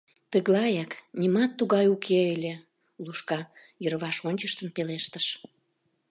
— Тыглаяк, нимат тугай уке ыле, — Лушка йырваш ончыштын пелештыш.